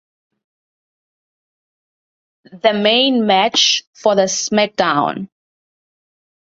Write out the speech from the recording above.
The main match for the SmackDown!